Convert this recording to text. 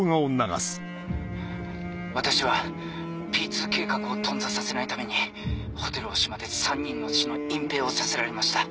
私はＰ２計画を頓挫させないためにホテルオシマで３人の死の隠蔽をさせられました。